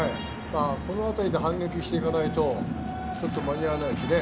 このあたりで反撃していかないと、ちょっと間に合わないですね。